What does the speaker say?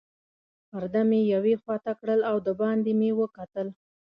پرده مې یوې خواته کړل او دباندې مې وکتل.